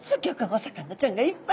魚ちゃんがいっぱいです！